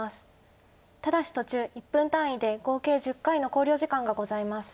ただし途中１分単位で合計１０回の考慮時間がございます。